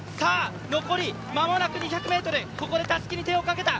残り間もなく２００ｍ、ここでたすきに手をかけた。